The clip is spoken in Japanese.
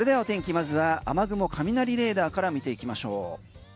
まずは雨雲雷レーダーから見ていきましょう。